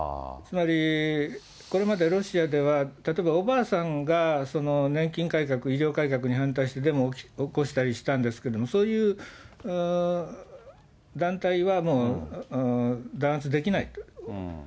つまり、これまでロシアでは、例えばおばあさんが年金改革、医療改革に反対して、デモを起こしたりしたんですけれども、そういう団体はもう、弾圧できないと。